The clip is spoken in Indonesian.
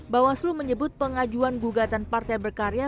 bawaslu menyebut pengajuan gugatan partai berkarya